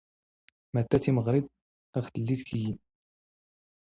ⵎⴰⵜⵜⴰ ⵜⵉⵎⵖⵔⵉⵜ ⴳ ⵜⵍⵍⵉⴷ ⴽⵢⵢ?